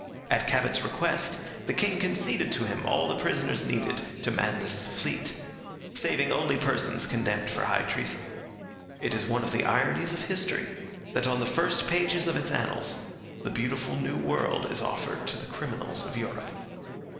At Cabot's request, the king conceded to him all the prisoners needed to man this fleet, saving only persons condemned for high treason. It is one of the ironies of history that on the first pages of its annals the beautiful new world is offered to the criminals of Europe.